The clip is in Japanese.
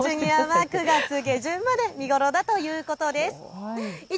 こちらペチュニアは９月下旬まで見頃だということです。